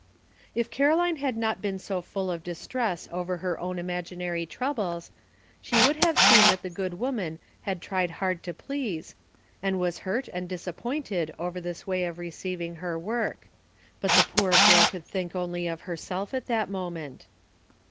If Caroline had not been so full of distress over her own imaginary troubles she would have seen that the good woman had tried hard to please, and was hurt and disappointed over this way of receiving her work. But the poor girl could think only of herself at that moment.